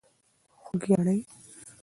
خوږیاڼۍ.